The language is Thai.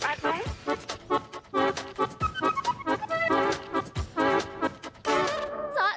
เจ้าแจ๊กริมเจ้า